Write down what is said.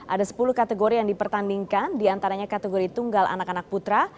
ada sepuluh kategori yang dipertandingkan diantaranya kategori tunggal anak anak putra